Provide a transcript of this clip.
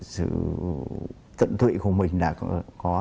sự tận thụy của mình đã có